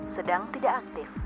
sedang tidak aktif